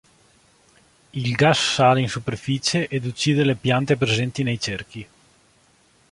Il gas sale in superficie ed uccide le piante presenti nei cerchi.